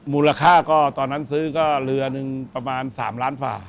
มูลค่าก็ตอนนั้นซื้อก็เรือหนึ่งประมาณ๓ล้านฝ่า